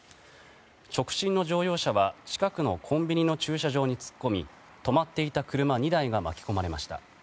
直進の乗用車は近くのコンビニの駐車場に突っ込み止まっていた車２台が巻き込まれました。